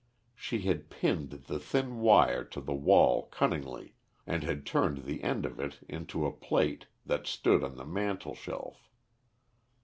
She had pinned the thin wire to the wall cunningly, and had turned the end of it into a plate that stood on the mantel shelf.